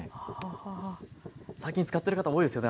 最近使ってる方多いですよね。